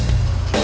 nah kita marathon